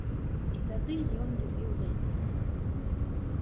І тады ён любіў яе.